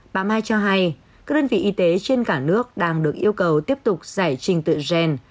bà mai cho hay các đơn vị y tế trên cả nước đang được yêu cầu tiếp tục giải trình tự gen